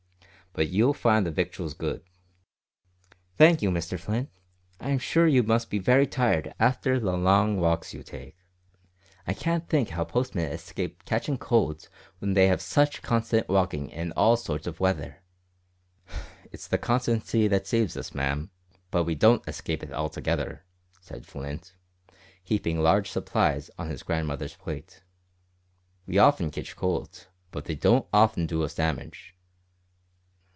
But you'll find the victuals good." "Thank you, Mr Flint. I am sure you must be very tired after the long walks you take. I can't think how postmen escape catching colds when they have such constant walking in all sorts of weather." "It's the constancy as saves us, ma'am, but we don't escape altogether," said Flint, heaping large supplies on his grandmother's plate. "We often kitch colds, but they don't often do us damage."